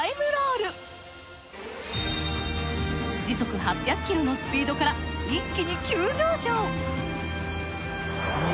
時速８００ｋｍのスピードから一気に急上昇！